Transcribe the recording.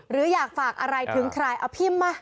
หรืออยากฝากอะไรถึงใครเอาพิมพ์มา